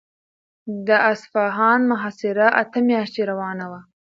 د اصفهان محاصره اته میاشتې روانه وه.